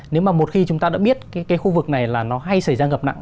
nếu mà một khi chúng ta đã biết cái khu vực này là nó hay xảy ra ngập nặng